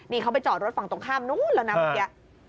นี่เขาไปจอดรถฝั่งตรงข้ามนู้นแล้วนะเมื่อกี้